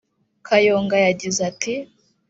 Kayonga yagize ati